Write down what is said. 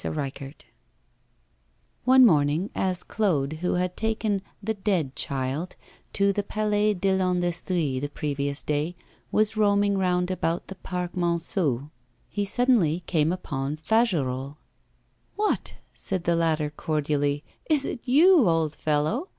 X ONE morning, as Claude, who had taken 'The Dead Child' to the Palais de l'Industrie the previous day, was roaming round about the Parc Monceau, he suddenly came upon Fagerolles. 'What!' said the latter, cordially, 'is it you, old fellow?